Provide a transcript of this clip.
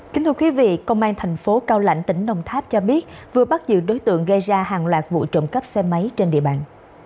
kính thưa quý vị công an thành phố cao lạnh tỉnh đồng tháp cho biết vừa bắt giữ đối tượng gây ra hàng loạt vụ trộm cắp xe máy trên địa bàn